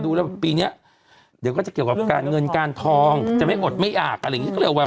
ดูแล้วปีเนี้ยเดี๋ยวก็จะเกี่ยวกับการเงินการทองจะไม่อดไม่อากอะไรอย่างงี้ก็เรียกว่า